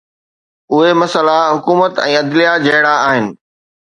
اهي مسئلا حڪومت ۽ عدليه جهڙا آهن